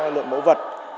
lượng mẫu vật